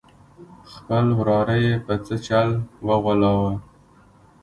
خپل وراره یې په څه چل وغولاوه.